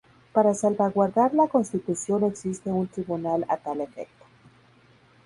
Para salvaguardar la Constitución existe un Tribunal a tal efecto.